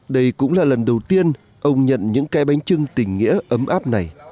đây cũng là lần đầu tiên ông nhận những cái bánh trưng tình nghĩa ấm áp này